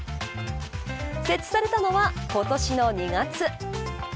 設置されたのは今年の２月。